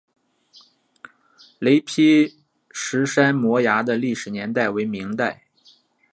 雷劈石山摩崖的历史年代为明代。